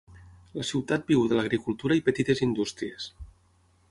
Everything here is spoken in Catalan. La ciutat viu de l'agricultura i petites indústries.